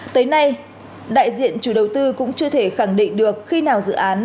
tới nay đại diện chủ đầu tư cũng chưa thể khẳng định được khi nào dự án